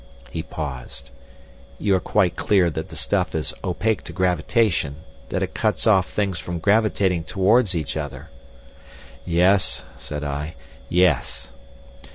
He paused. "You are quite clear that the stuff is opaque to gravitation, that it cuts off things from gravitating towards each other?" "Yes," said I. "Yes."